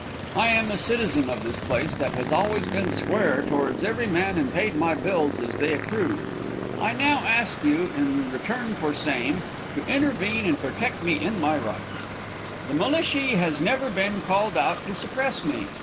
I am a citizen of this place that has always been square towards every man and paid my bills as they accrewed. I now ask you, in return for same, to intervene and protect me in my rights. The millishy has never been called out to suppress me.